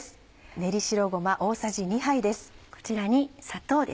練り白ごま大さじ２杯です。